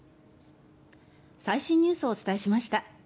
最新ニュースをお伝えしました。